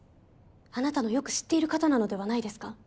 あなたのよく知っている方なのではないですか？